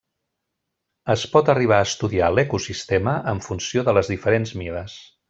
Es pot arribar a estudiar l'ecosistema en funció de les diferents mides.